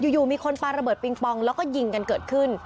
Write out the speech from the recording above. อยู่มีคนปลาระเบิดปิงปองแล้วก็ยิงกันเกิดขึ้น